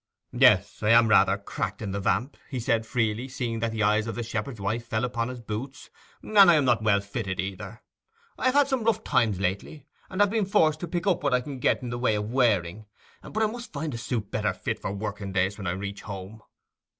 'Yes, I am rather cracked in the vamp,' he said freely, seeing that the eyes of the shepherd's wife fell upon his boots, 'and I am not well fitted either. I have had some rough times lately, and have been forced to pick up what I can get in the way of wearing, but I must find a suit better fit for working days when I reach home.